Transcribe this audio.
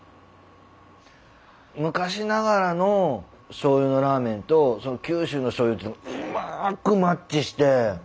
昔ながらのしょうゆのラーメンと九州のしょうゆっていうのがうまくマッチして。